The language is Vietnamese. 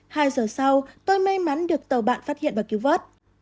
hai giờ sau tôi may mắn được tàu bạn phát hiện và cứu vớt